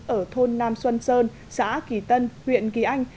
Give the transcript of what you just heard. ở thôn nam xuân sơn xã kỳ tân huyện kỳ anh